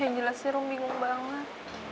yang jelasnya rom bingung banget